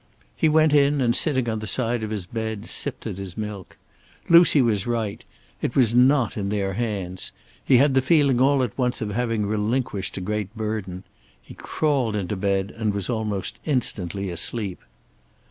He went in and sitting on the side of his bed sipped at his milk. Lucy was right. It was not in their hands. He had the feeling all at once of having relinquished a great burden. He crawled into bed and was almost instantly asleep.